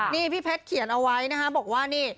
นี่พี่เพชรเขียนเอาไว้นะคะบอกว่านี่